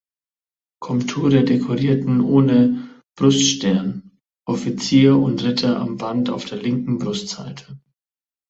Komture dekorierten ohne Bruststern, Offizier und Ritter am Band auf der linken Brustseite.